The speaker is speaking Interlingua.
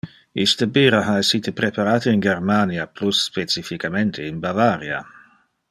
Iste bira ha essite preparate in Germania, plus specificamente in Bavaria.